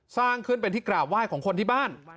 สร้างขึ้นเป็นที่กราบไหว้ของคนที่บ้าน